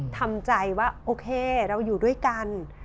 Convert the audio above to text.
ทำใจว่าโอเคเราอยู่ด้วยกัน